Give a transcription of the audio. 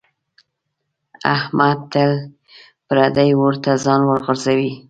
احمد تل پردي اور ته ځان ورغورځوي.